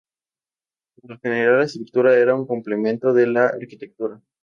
Por lo general la escultura era un complemento de la arquitectura.